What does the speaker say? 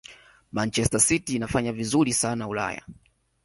manchester city inafanya vizuri sana ulaya